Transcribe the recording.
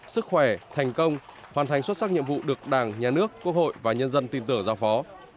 sức khỏe thành công hoàn thành xuất sắc nhiệm vụ được đảng nhà nước quốc hội và nhân dân tin tưởng giao phó